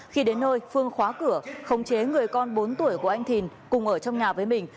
khi đến nơi phương khóa cửa khống chế người con bốn tuổi của anh thìn cùng ở trong nhà với mình